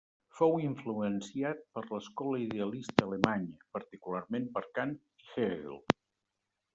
Fou influenciat per l'escola Idealista alemanya, particularment per Kant i Hegel.